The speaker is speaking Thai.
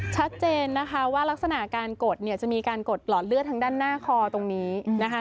ชัดเจนนะคะว่ารักษณะการกดเนี่ยจะมีการกดหลอดเลือดทางด้านหน้าคอตรงนี้นะคะ